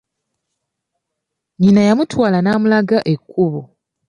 Nnyina yamutwala n'amulaga ekkubo.